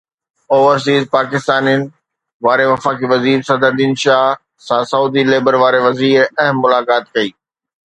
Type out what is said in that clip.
overseas پاڪستانين واري وفاقي وزير صدر الدين راشدي سان سعودي ليبر واري وزير اهم ملاقات ڪئي